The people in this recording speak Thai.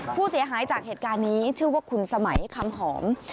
ผู้เสียหายจากเหตุการณ์นี้ชื่อว่าคุณสมัยคำหอม